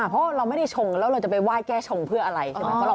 เพราะเราไม่ได้ชงแล้วเราจะไปแก้ชงเพื่ออะไร